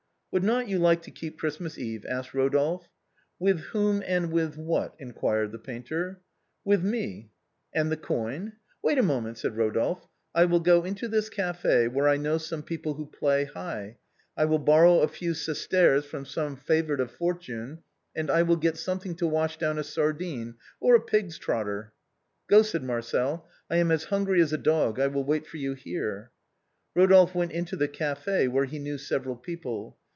" Would not you like to keep Christmas Eve ?" asked Rodolphe. " With whom and with what ?" inquired the painter. " With me." "And the coin?" " Wait a moment," said Rodolphe ;" I will go into this café, where I know some people who play high. I will borrow a few sesterces from some favorite of fortune, and I will get something to wash down a sardine or a pig's trotter." " Go," said Marcel ;" I am as hungry as a dog. I will wait for you here." Eodolphe went into the café where he knew several peo ple.